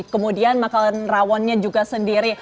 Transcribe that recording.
kemudian makanan rawonnya juga sendiri